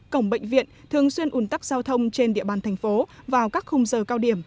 cổng bệnh viện thường xuyên ủn tắc giao thông trên địa bàn thành phố vào các khung giờ cao điểm